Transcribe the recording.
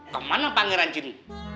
kemana pangeran jin